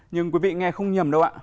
nhưng quý vị nghe không nhầm đâu ạ